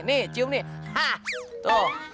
nih cium nih tuh